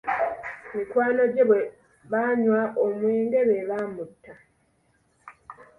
Mikwano gye bwe banywa omwenge be baamutta.